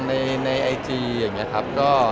เดี๋ยวจะจบ